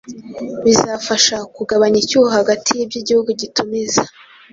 bizafasha kugabanya icyuho hagati y’ibyo igihugu gitumiza